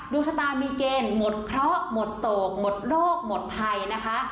ดวงชะตามีเกณฑ์หมดเคราะห์หมดโศกหมดโรคหมดภัยนะคะ